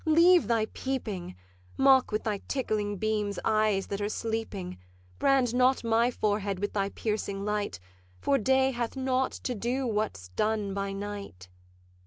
leave thy peeping: Mock with thy tickling beams eyes that are sleeping Brand not my forehead with thy piercing light, For day hath nought to do what's done by night.'